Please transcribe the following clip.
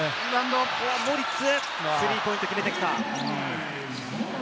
モリッツ、スリーポイントを決めてきた。